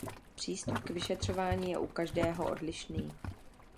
Přístup k vyšetřování je u každého odlišný.